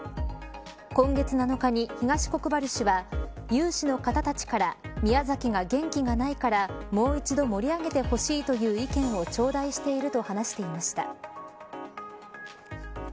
今月７日に東国原氏は有志の方たちから宮崎が元気がないからもう一度盛り上げてほしいという意見を頂戴していると話してました。